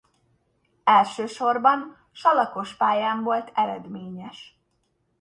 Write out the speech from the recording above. Elsősorban salakos pályán volt eredményes.